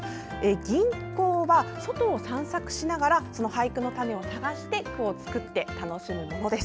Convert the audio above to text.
吟行は外を散策しながら俳句の種を探して句を作って楽しむものです。